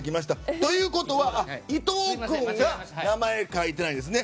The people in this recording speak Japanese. ということは、伊藤君が名前を書いてないんですね。